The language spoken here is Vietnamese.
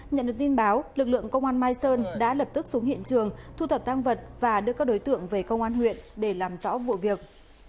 nhận được tin báo lực lượng công an mai sơn đã lập tức xuống hiện trường thu thập tăng vật và đưa các đối tượng về công an huyện để làm rõ vụ việc